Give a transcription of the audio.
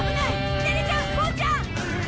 ネネちゃん！ボーちゃん！